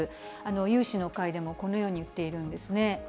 有志の会でもこのように言っているんですね。